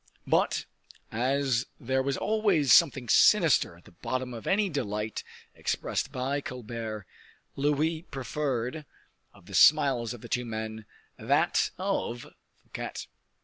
But, as there was always something sinister at the bottom of any delight expressed by Colbert, Louis preferred, of the smiles of the two men, that of Fouquet.